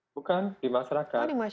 bukan di masyarakat